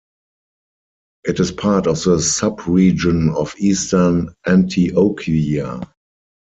It is part of the subregion of Eastern Antioquia.